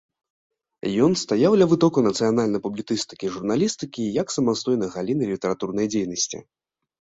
Ён стаяў ля вытокаў нацыянальнай публіцыстыкі і журналістыкі як самастойнай галіны літаратурнай дзейнасці.